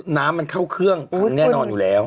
น้ำมันเข้าเครื่องแน่นอนอยู่แล้ว